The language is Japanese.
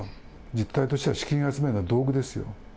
実態としては資金集めの道具ですよ。